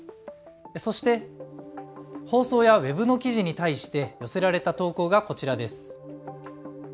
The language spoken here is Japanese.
そして、放送やウェブの記事に対して寄せられた投稿がこちらです。